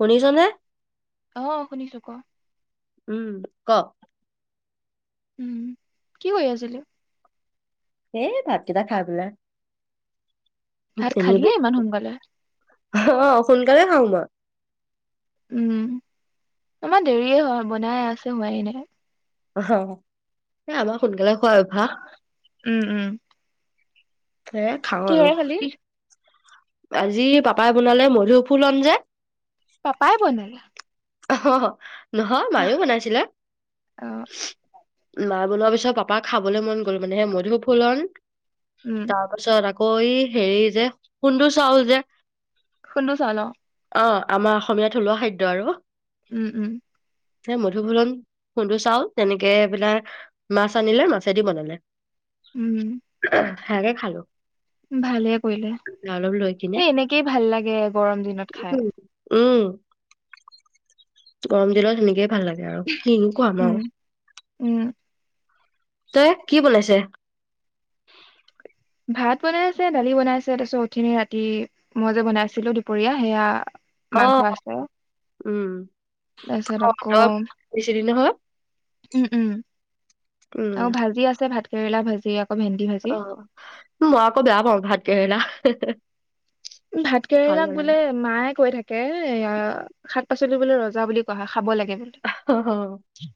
শুনিছনে? অ শুনিছো কোৱা উম ক উম কি কৰি আছিলি এই ভাতকটা খাই পেলাই ভাত এনে খালিয়ে এইবোৰ ইমান সোনকালে অ সোনকালে খাও মই উম আমাৰ দেৰিয়ে হয় বনাই আছে হোৱাই নাই অহ অ আমাৰ সোনকালে খোৱা অভ্যাস। উম উম সে খাওঁ আৰু কিহেৰে খালি কি আজি পাপাই বনালে মধু ফুলম যে পাপায়ে বনাই অহহ নহয় মায়ও বনাইছিলে অ মা বনোৱাৰ পিছত পাপাক খাবলৈ মন গ'ল মানে সে মই সুফুলন উম তাৰপাছত আকৌ অ ঐ হেৰি যে খুন্দু চাউল যে খুন্দু চাউল অ অ আমাৰ অসমীয়া থলুৱা খাদ্য আৰু উম উম এ মধু ফুলন খুন্দো চাওল তেনেকে এইবিলাক মাছ আনিলে মাছেদি বনালে অ সেয়াকে খালো ভালে কৰিলে অলপ লৈ কিনে এই এনেকেই ভাল লাগে গৰম দিনত খাই। উম। [unintelligible] গৰম দিল সুনেকে। ভাল লাগে আৰু স কেনে কুৱাম উম আৰু। উম তই কি বলাইছে। ভাত বনাই আছে। দালি বনাই আছে তাৰপিছত উঠিনি ৰাতি মই যে বনাইছিলো দুপৰীয়া সেয়া। মাংস আছে উম তাৰপিছত অ আকৌ তই দিছিলি নহয় উম উম উম আৰু ভাজি আছে ভাত। কেৰেলা ভাজিয়। অ ভেন্দি ভাজি। অ মই আকৌ বেয়া পাওঁ ভাত কেৰেলা হে হে ভাত কেৰেলাক বোলে। মায়ে কৈ থাকে তাকে শাক পাচলি বোলে ৰজা বুলি কোৱা। খাব লাগে অ [unintelligible]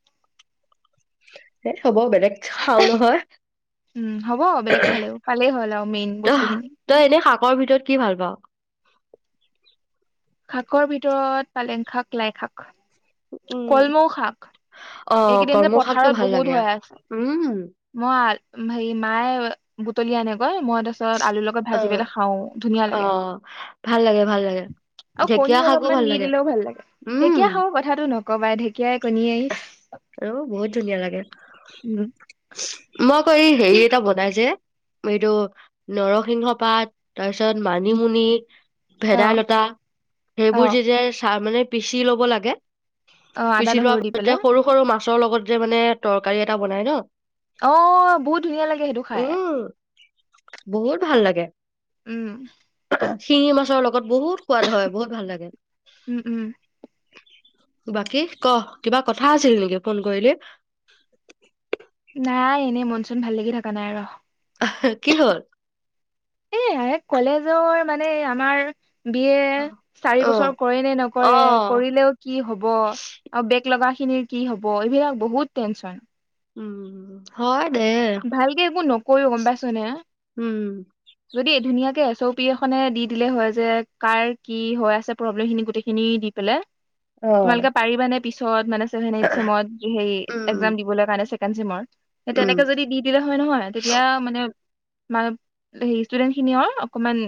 এ হ'ব বেলেগ। খাও নহয় উম হ'ব বেলেগ খালেও পালেই হ'ল আৰু মেইন ত বস্তুখিনি তই এনেই শাকৰ ভিতৰত কি ভাল পাওঁ। শাকৰ ভিতৰত পালেং শাক লাই শাক। উম কলমৌ শাক। অ এইকেইদিন যে পথাৰত কৰ্মশাগটো ভাল লাগে উম। ভ মায়ে বুটলি আনে। মই তাৰপিছত আলুৰ লগত অ ভাজি পেলাই খাওঁ। ধুনীয়া অ লাগে ভাল লাগে ভাল লাগে আৰু কণী ঢেকীয়া শাকো অলপমান ভাল নি লাগে দিলেও ভাল লাগে উম ঢেকীয়া খাওঁ কথাটো নক। ককবাই ঢেকীয়াই কণী। অ বহুত ধুনীয়া লাগে উম মই কৰি। হেৰি এটা বনাইছে। এইটো নৰসিংহ পাত। তাৰ পিছত মানিমুনি অ ভেদাইলতা অ সেইবোৰ যেতিয়া চা মানে। পিচি ল'ব লাগে। অ আদানহুৰুি। তিয়া সৰু সৰু মাহ। মাছৰ লগত যে মানে তৰকাৰী এটা বনাই ন। অ বহুত ধুনীয়া লাগে সেইটো খাই। উম বহুত ভাল লাগে। উম। শিঙি মাছৰ লগত বহুত সোৱাদ হয় বহুত ভাল লাগে। উম উম বাকী ক কিবা কথা আছিল নেকি ফোন কৰিলেি নাই এনেই মন চন ভাল লাগি থকা নাই ৰ আহ কি হল এ কলেজৰ মানে আমাৰ বিয়ে চাৰি অ বছৰ কৰে নে অ নকৰে কৰিলেও কি হব আৰু বেগ লগা খিনিৰ কি হ'ব এইবিলাক বহুত টেনচন উম হয় দে ভালকে একো নকৈও গম পাইছ নে উম যদি ধুনীয়াকে এছ অ পি এখনে দি দিলে হয় যে কাৰ কি হৈ আছে প্ৰব্লেম খিনি গোটেইখিনি দি পেলাই অ তোমালোকে পাৰিবা নে পিছত মানে উম দিব কনজিুমাৰ তেনেকে উম যদি দি দিলে হয় নহয় তেতিয়া মানে ম হে ষ্টুডেন্ট খিনিও অকমান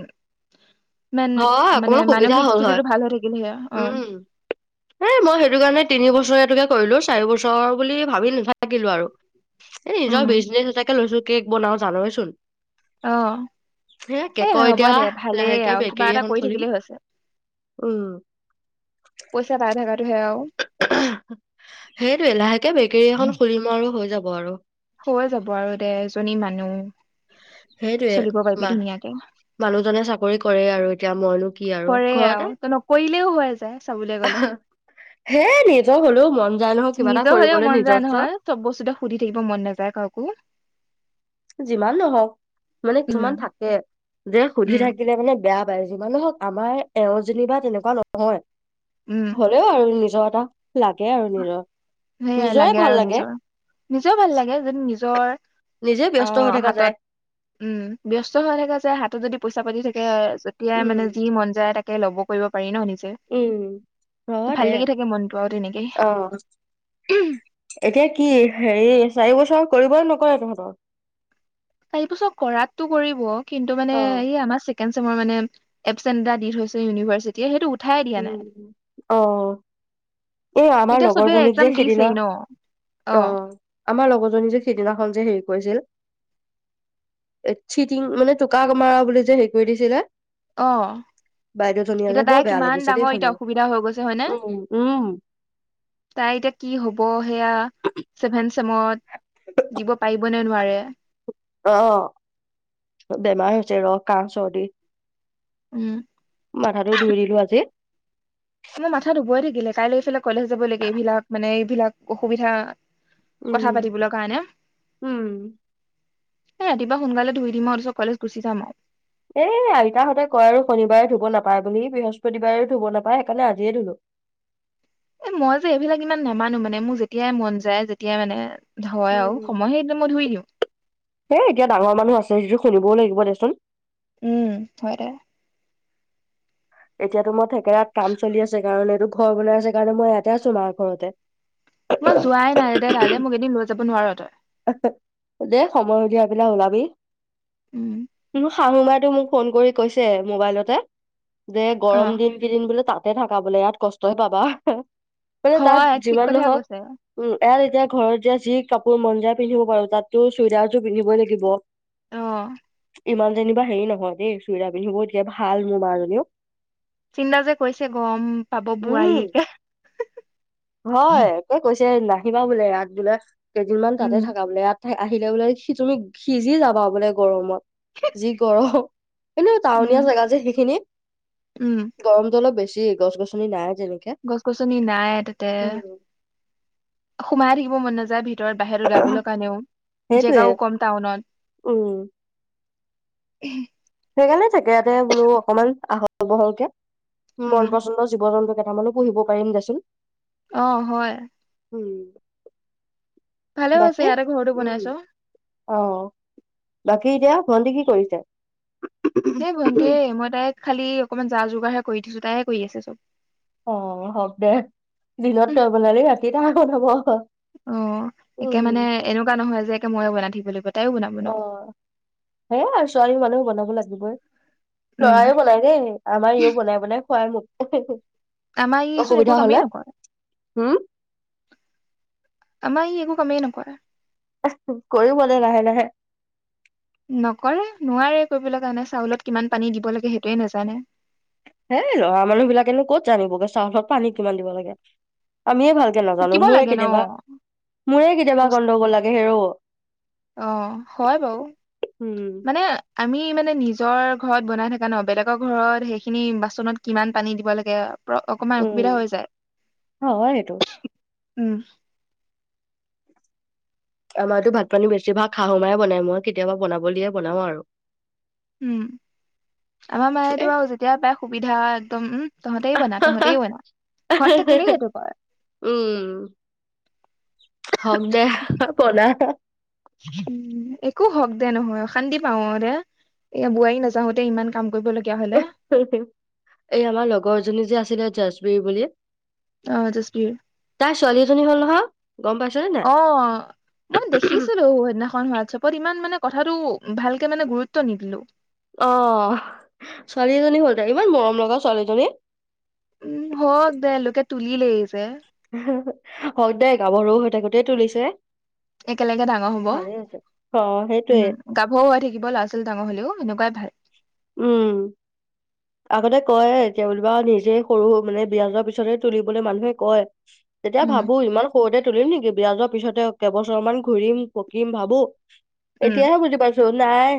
ইমান হয় মানে অকমান সুবিধা মানসিক হল হয় স্থিতিটো ভাল হৈ থাকিলেহে অ', উম এ মই সেইটো কাৰণে তিনি বছৰেটোকে কৰিলো চাৰ বছৰ বুলি ভাবি নাথাকিলো আৰু এ নিজৰ উম, বিজনেছ এাকে লৈছো কেক বনাও জানচোন অ এ হ'ব এতিয়া দে ভালেই লাহেকে আৰু কিবা বেকেৰী এটা এখন কৰি খুলিম। থাকিলেই হৈছে উম, পইচা পাই থকাটোহে সেইটোে লাহেকে বেকেৰী এখন খুলিম আৰু হৈ যাব। বৰ হৈ যাব আৰু দে-এজনী মানুহ। সেইটোয়েই চলিব পাৰিবি ধুনীয়াকে মা-মানুহজনে চাকৰি কৰে আৰু এতিয়া মইনো- কি আৰু কৰে ঘৰতে আৰু নকৰিলেও হৈ যায় চাবলৈ গলে।। হে নিজৰ হ'লেও মন যায় নহয় কিবা এটা নিজৰ হলেও কৰিবলৈ মন যায় নিজস্ব নহয় চব বস্তুতে সুধি থাকিব মন নাযায় কাকো যিমান নহওক মানে কিছুমান উম, থাকে যে- সুধি উম, থাকিলে মানে- বেয়া পাই। যিমানেহওক, আমাৰ এওঁযেনিবা তেনেকুৱা নহয়। উম, হ'লেও আৰু নি- নিজৰ এটা, লাগে আৰু নিজৰ। সেয়াই নিজৰে লাগে ভাল আৰু নিজৰ। নিজেও ভাল লাগে যদি নিজ- জ্বৰ- নিজে অ ব্যস্ত হৈ থকা যায় হাতত। উম- ব্যস্ত হৈ থকা যায় হাতত যদি- পইচা পাতি থাকে। যেতিয়াই উম মানে যি মন যায় তাকে- ল'ব কৰিব পাৰি ন? নিজে- উম- হব তো ভাল দে। লাগি থাকে মনটো আৰু তেনেকে অ- এতিয়া কি? হে- এই চাৰি বছৰ কৰিবনে নকৰে তহঁতক? চাৰি বছৰ কৰাতটো কৰিব। কিন্তু মানে অ এই আমাৰ- চেকেণ্ড চেমৰ মানে এবচেন এটা দি থৈছে ইউনিভাৰ্চিটিয়ে, সেইটো উঠাই দিয়া নাই উম-অ- এই আমাৰ এতিয়া চবে লগৰজনীক একজাম যে দিছেই ন অ সিদিনা-অ- আমাৰ লগৰজনী যে- সিদিনাখন যে- হেৰি কৰিছিল চিটিং মানে টোকোৰা মাৰা বুলি যে- হেৰি কৰি দিছিলে- বাইদেউজনীয়ে যে অ-এতিয়া বৰ বাই বেয়া কিমান- লাগিছে দেই ডাঙৰ এটা শুনি অসুবিধা হৈ গৈছে হয়নে? উম উম তাই এটিয়া কি হ'ব! সময়ত দিব পাৰিব নে? নোৱাৰে- অ- বেমাৰ হৈছে ৰ- কাহ চৰ্দি। উম- মাথাটো ধুই দিলো আজি। মই মাথা ধুবই থাকিলে কাইলৈ ইফালে কলেজ যাব লাগে। এইবিলাক মানে এইবিলাক অসুবিধা- উম কথা পাতিবলৈ কাৰণে। উম এ ৰাতিপুৱা সোনকালে ধুই দিম আৰু তাৰপাছত কলেজ গুচি যাম আৰু। এই আইতাহঁতে কয় আৰু শনিবাৰে ধুব নাপায় বুলি, বৃহস্পতিবাৰে ধুব নাপায় সেইকাৰণে আজিয়ে ধুলো। এ- মই যে এইবিলাক ইমান নামানো মানে মোৰ যেতিয়াই মন যায় যেতিয়াই মানে। হয় আৰু সময় সেই মই ধুই দিওঁ হেই এতিয়া ডাঙৰ মানুহ আছে যিবোৰ চলিবও লাগিব দেচোন উম হয় দে এতিয়াতো মই থেকেৰাত কাম চলি আছে কাৰণে এইটো ঘৰ বনাই আছে কাৰণে মই ইয়াতে আছোঁ মাৰ ঘৰতে। মই যোৱাই নাই দে তালৈ মোক এদিন লৈ যাব নোৱাৰ তই! দে সময় উঠিয়াই পেলাই ওলাবি। উম শাহুমাই তো মোক কৈছে ফোন কৰি মোবাইলতে। যে অ গৰম দিন কিদিন বোলোঁ তাত তাতে থাকা বোলে ইয়াত কষ্টহে পাবা। এই তাত হয় ঠিক যিমান কথাই নহওক কৈছে উম অঁ এতিয়া ঘৰত যোৱা যি কাপোৰ মন যায়। পিন্ধিব পাৰো তাততো চুৰিদাৰযোৰ পিন্ধিবই লাগিব। অঁ। ইমান যেনিবা হেৰি নহয় দেই চুইজাৰ পিন্ধিব এতিয়া ভাল মোৰ মাজনীও। চিন্তা যে কৰিছে গৰম পাব উম, বোৱাৰীয়েকে। হয় একে কৈছোঁ। পিছে নাহিলা বোলে ইয়াত বোলে। কেইদিনমান তাতে উম থাকাগৈ ইয়াত আহিলে বোলে সি তুমি সিজি যাবা বোলে গৰমত যি গৰম! কিন্তু উম টাউনীয়া জেগা যে সেইখিনি উম গৰমটো অলপ বেছি। ওঁ গছ গছনি নাই। যেনেকে। গছ গছনি নাই! [unintelligible] উম। খাই থাকিব মন নাযায় ভিত ভিতৰত বাহিৰলৈ যাবলৈ কাৰণেও সেইটোৱে জেগাও কম টাউনত। উম, উ। সেইকাৰণে তাকে ইয়াতে বোলোঁ অকনমান আহল বহলকে। উম মন পচন্দৰ জীৱ-জন্তু। কেটামানো পঢ়িব পাৰিম দেচোন। অঁ হয়। উম। ভালে হৈছে বাকী ইয়াতে ঘৰটো উম, বনাইছ। [unintelligible] ভণ্টি কি কৰিছে? এই ভণ্টি, মই তাই খালি। অকণমান যা-যোগাৰহে কৰি দিছোঁ, তাইহে কৰি আছে চব। অ', হক দে দিনত তই বনালি ৰাত কেইটা ভাগত হব [unintelligible] অ', একে মানে এনেকুৱা নহয় যে একে ময়ো বনাই থ [unintelligible] অ', সেয়া আৰু ছোৱালী মানুহ বনাব লাগিবই। উম লৰাইও বনাই দেই, আমাৰ ইও বনাই-বনাই খোৱাই মোক [inaudible] আমাৰ ই চোন অসুবিধা একো হলে কামেই নকৰে। উম আমাৰ ই এক একো কামেই নকৰে। [inaudible] কৰিব দে লাহে-লাহে। নকৰে, নোৱাৰে কৰিবলৈ কাৰণে চাউলত কিমান পানী দিব লাগে সেইটোৱে নাজানে। হেই ল'ৰা মানুহ বিলাকেনো ক'ত জানিবগে চাউলত পানী কিমান দিব লাগে, আমিয়ে ভাল নাজানো শিকিব মোৰে লাগে ন কেতিয়াবা, মোৰে কেতিয়াবা বস্ত- গন্দগোল লাগে হেৰৌ। অ', হয় বাৰু, উম মানে আমি মানে নিজ নিজৰ ঘৰত বনাই থকা ন বেলেগৰ ঘৰত সেইখিনি বাচনত কিমান পানী দিব লাগে অকমান অসুবিধা উম হৈ হয় সেইটো যায়। উম। আমাৰতো ভাত পানী বেছি ভাগ শাহু মায়ে বনাই, মই কেতিয়াবা বনাবলে দিয়ে বনাও আৰু। উম, আমাৰ এ মায়েতো আৰু যেতিয়া পায় সুবিধা একদম উম, তহঁতেই বনা, তহঁতেই বনা ঘৰত থাকিলেই সেইটো কয়। উম হওক দে পনা উম, একো হওক দে নহয় অশান্তি পাও দে। এয়া বোৱাৰী নাযাওতে ইমান কাম কৰিবলগীয়া হলে এই আমাৰ লগৰ জনী যে আছিলে জাজবেৰী বুলি অ', জাজবীৰ। তাই ছোৱালী এজনী হ'ল নহয় গম পাইছনে নাই অ', মই দেখিছিলো সেইদিনাখন হোৱাটছপত ইমান মানে কথাাতটো ভালকে মানে গুৰুত্ব নিদিলো। অ', ছোৱালী এজনী হ'ল দে, ইমান মৰম লগা ছোৱালীজনী। উম, হওক দে লোকে তুলিলেই যে। হওক দে গাভৰু হৈ থাকোতেই তুলিছে। একেলগে ডাঙৰ হব। ভালে হৈছে অ উম, সেইটোয়ে গাভৰু হৈ থাকিব ল'ৰা ছোৱালী ডাঙৰ হ'লেও এনেকুৱাই ভাল। উম। আগতে কয়, এতিয়া বুলিবা নিজে সৰু মানে বিয়া যোৱাৰ পিছতে তুলিবলৈ মানুহে কয়। তেতিয়া উম ভাবো ইমান সৰুতে তুলিম নেকি বিয়া যোৱাৰ পিছতে কেইবছৰ মান ঘুৰিম-পকিম ভাবো উম এতিয়াহে বুজি পাইছো নাই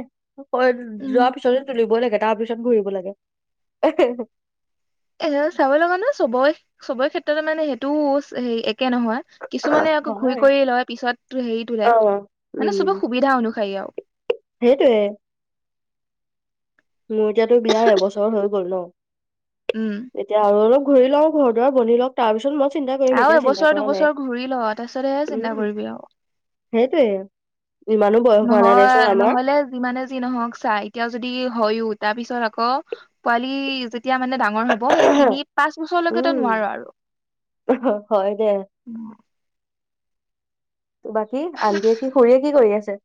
হয়, উম যোৱাৰ পিছতে তুলিবই লাগে তাৰ পিছত ঘূৰিব লাগে। [inaudible] এ, চাব লগা ন চব-চবৰে ক্ষেত্ৰতে মানে সেইটো হেই এ একে নহয়, কিছুমানে আকৌ ঘূৰি হয়। কৰি লয় পিছত হেৰি তোলে। অ মানে চবৰে সুবিধা অনুসায়ী আৰু। সেইটোৱে। মোৰ এতিয়াতো বিয়াাৰ এবছৰ হৈ গ'ল ন। উম এতিয়া আৰু অলপ ঘূৰি লওঁ, ঘৰ দুৱাৰ বনি লওঁক তাৰ পিছত মই চিন্তা কৰিম আৰু এতিয়া চিন্তা এবছৰ কৰা নাই। দুবছৰ ঘূৰি ল, তাৰপিছত হে চিন্তা উম কৰিবি আৰু। সেইটোয়ে ইমানো বয়স হোৱা নাই দেচোন নহয় আমাৰ। নহলে যিমানে যি নহওক চা, এতিয়াও যদি হয়ও তাৰ পিছত আকৌ পোৱালি যদ- যেতিয়া মানে ডাঙৰ হব, সেই তিনি পাঁচ বছৰলৈকে তই উম নোৱাৰো আৰু। হয় দে বাকি, আনজেফি খুৰীয়ে কি কৰি আছে।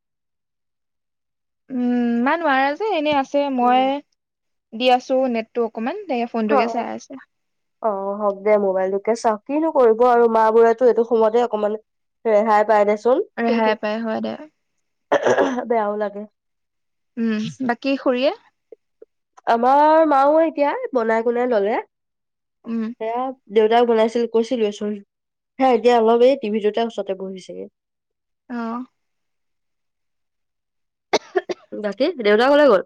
উম, মা নোৱাৰা যে এনে আছ যে উম। মই দি আছো নেটটো অকমান। তাকে ফোনটোকে অ চাই আছে। অ', হওক দে মোবাইল তোকে চাওক, কিনো কৰিব আৰু মা বোৰেতো এইটো সময়তে অকমান ৰেহাই পাই দেচো ৰেহাই পাই, হয় দে। [inaudible] বেয়াও লাগে। উম, বাকী খুৰীয়ে। আমাৰ মাও এতিয়া বনাই কুনাই ল'লে। উম সেয়া দেউতাই বনাইছিল, কৈছিলোয়ে চোন, সেয়া এতিয়া অলপ এই টিভিটোতে ওচৰতে বহিছেগে। অ'। বাকী, দেউতা কলে গ'ল?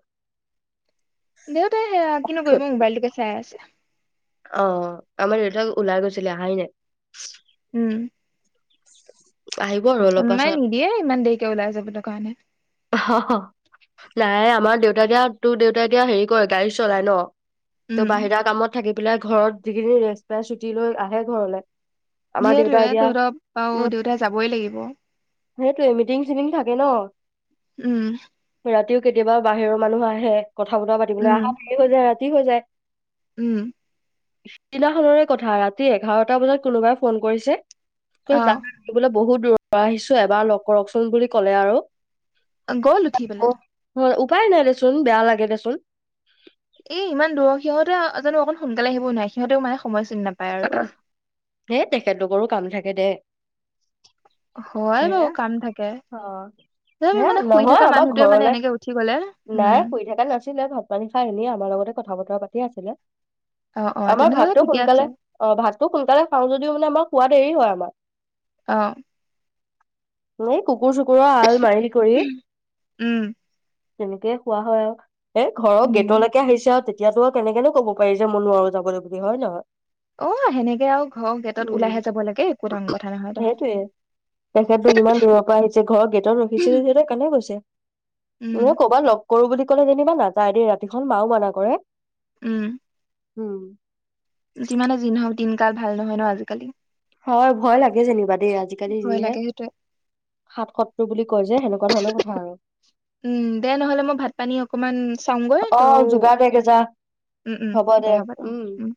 দেউতাই সেয়া, কিনো কৰিব মোবাইলটোকে চাই আছে। অ', আমাৰ দেউতা ওলাই গৈছিলে আহাই নাই। উম। আহিব আৰু অলপ আম্মাই পাছত নিদিয়ে ইমাণ দেৰিকে ওলাই যাবলে কাৰণে। নাই আমাৰ দেউতা এতিয়া, তোৰ দেউতাই এতিয়া হেৰি কৰে গাড়ী চলাই ন। ত' উম বাহিৰা কামত থাকি পেলাই ঘৰত যিগিদিন ৰেস্ট পাই ছুটী লৈ আহে ঘৰলে। আমাৰ দেউতা হেতোৱে এতিয়া [unintelligible] অ', দেউতাই যাবই লাগিব। সেইটয়ে মিটিং চিটিং থাকে ন'। উম। ৰাতিও কেতিয়াবা বাহিৰৰ মানুহ আহে। কথা বতৰা পাবলৈ উম [unintelligible] কি হৈ যায়। উম। সিদিনাখৰে কথা ৰাতি এঘাৰটা বজাত কোনোবাই ফোন কৰিছে। ত অ দ বোল [unintelligible] বহুত দূৰ পৰা আহিছো এবাৰ লগ কৰকচোন বুলি ক'লে আৰু। গ'ল উঠি পেলাই [inaudible] উপাই নাই দেচোন, বেয়া লাগে দেচোন। এই ইমান দূৰৰ সিহঁতে জানো অকণ সোনকালে আহিবই নোৱাৰে সিহঁতেও মানে সমস্য হেই তেখেতলোকৰো কাম থাকে দেই হয় হে বাৰু কাম থাকে অ তথাপি সেয়া মানে শুই নহয় থকা আমাৰ মানুহটোৱে মানে ঘৰলে এনেকে উঠি গ'লে উম নাই শু থাককা নাছিলে, ভাত মান নিশাই এনেিয় আমাৰ লগতে কথা বতৰা পা কি আছিল? অ-অ তেনেহলে ঠিকে আছে। অ ভাতটো সোনকালে খাও যদিও মানে আমাৰ খোৱ দেৰি হয় আমাৰ আহ ম ক কুকুৰ-চুকুৰৰ আল মাৰি কৰি উম তেনেকে খোৱা হয় আৰু এ ঘৰৰ উম গেটলৈকে আহিছে আৰু তে এতিয়াতো আৰু কেনেকেনো ক'ব পাৰি যে মই নোৱাৰো যাবলৈ বুলি হয় নহয়। অ সেনেকে আৰু ঘৰৰ গেটত উম ওলাইহে যাব লাগে একো ডাঙৰ কথা নহয় সেইটোৱে তেখেতটো ইমান দূৰৰ পৰা আহিছে ঘৰৰ গেটত ৰখিছে উম সিহঁতে কেনে গৈছে ম ক'বাত লগ কৰো বুলি কলে যেনিবা নাযায় দেই ৰাতিখন মাও মানা কৰে। উম উম যিমানে যি হওক দিনকাল ভাল নহয় ন আজিকালি। হয় ভয় লাগে যেনিবা। দ আজিকালি ভয় যিহে লাগে সেইটোৱে সাতসত্তৰ বুলি কয়। যে সেনেকুৱা ধৰণৰ কথা আৰু উম দে নহলে মই ভাত পানী অকমান চাওঁগৈ অ ত যোগাৰ দে গেজা উম-উম দে হ'ব দে উ